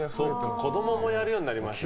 子供もやるようにやりましたよね。